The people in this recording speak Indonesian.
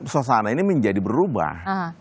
suasana ini menjadi berubah